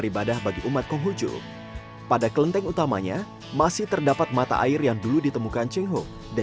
yang menghujung pada kelenteng utamanya masih terdapat mata air yang dulu ditemukan cengho dan